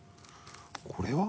これは？